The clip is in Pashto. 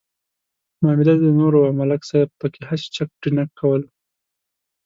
معامله د نور وه ملک صاحب پکې هسې چک ډینک کولو.